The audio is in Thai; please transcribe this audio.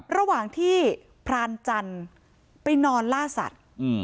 ระหว่างที่พรานจันทร์ไปนอนล่าสัตว์